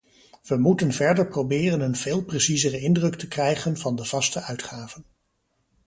We moeten verder proberen een veel preciezere indruk te krijgen van de vaste uitgaven.